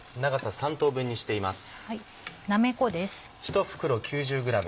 なめこです。